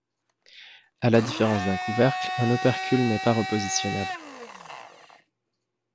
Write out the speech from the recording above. À la différence d'un couvercle, un opercule n'est pas repositionnable.